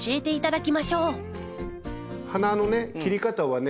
花の切り方はね